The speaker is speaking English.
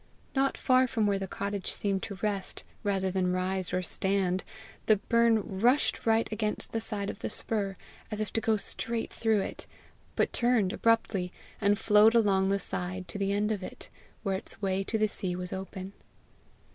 Not far from where the cottage seemed to rest rather than rise or stand, the burn rushed right against the side of the spur, as if to go straight through it, but turned abruptly, and flowed along the side to the end of it, where its way to the sea was open.